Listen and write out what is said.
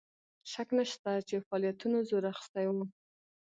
شک نسته چې فعالیتونو زور اخیستی وو.